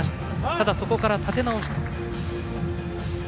ただ、そこから立て直して。